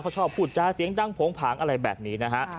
เขาชอบพูดจาเสียงดังโผงผางอะไรแบบนี้นะฮะ